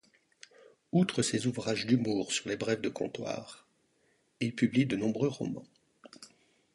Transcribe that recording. Outre ses ouvrages d'humour sur les brèves de comptoir, il publie de nombreux romans.